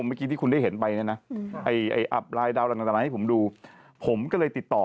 เมื่อกี้ที่คุณได้เห็นไปเนี่ยนะไอ้อัพลายดาวต่างให้ผมดูผมก็เลยติดต่อ